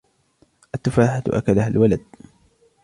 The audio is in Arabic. التفاحة أكلها الولد.